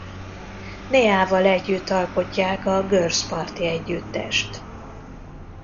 Neja-val együtt alkotják a Girls Party együttest.